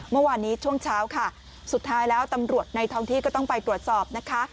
เมื่อวานนี้ช่วงเช้าค่ะสุดท้ายแล้วตำรวจในท้องที่ก็ต้องไปตรวจสอบนะคะ